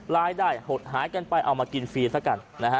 รายได้หดหายกันไปเอามากินฟรีซะกันนะฮะ